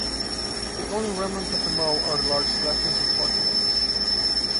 The only remnants of the mall are the large sections of parking lots.